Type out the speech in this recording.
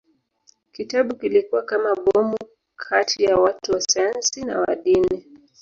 Kitabu kilikuwa kama bomu kati ya watu wa sayansi na wa dini.